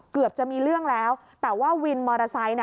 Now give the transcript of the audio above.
เกือบจะมีเรื่องแล้วแต่ว่าวินมอเตอร์ไซค์